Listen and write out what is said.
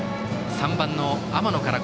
３番の天野から。